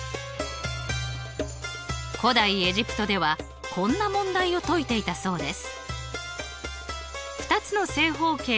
古代エジプトではこんな問題を解いていたそうです。